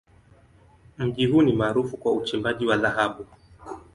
Mji huu ni maarufu kwa uchimbaji wa dhahabu.